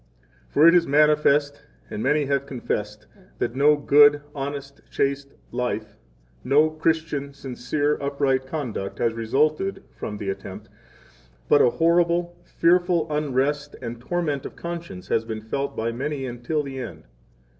[For it is manifest, and many have confessed that no good, honest, chaste life, no Christian, sincere, upright conduct has resulted (from the attempt), but a horrible, fearful unrest and torment of conscience has been felt by many until the end.